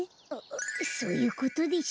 そういうことでしたら。